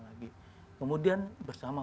lagi kemudian bersama